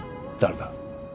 誰だ？